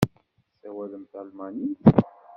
Tessawalem talmanit?